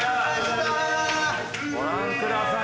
ご覧ください。